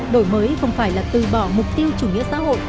đổi mới không phải là từ bỏ mục tiêu chủ nghĩa xã hội